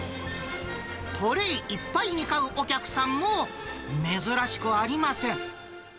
トレーいっぱいに買うお客さんも珍しくありません。